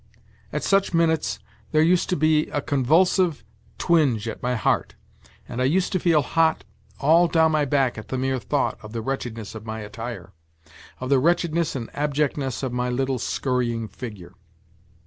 At such minutes there used to be a convulsive twinge at my heart, and I used to feel hot all down my back at the mere thought of the wretchedness of my attire, of the wretchedness and abject ness of my little scurrying figure.